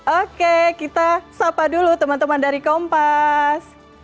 oke kita sapa dulu teman teman dari kompas